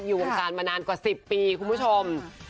อยู่วงการมานานกว่า๑๐ปีคุณผู้ชม